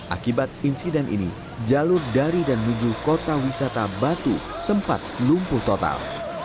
akibat insiden ini jalur dari dan menuju kota wisata batu sempat lumpuh total